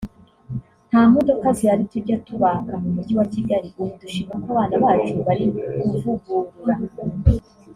nta modoka zihari tukajya kubaka mu Mujyi wa Kigali ubu dushima ko abana bacu bari kuvugurura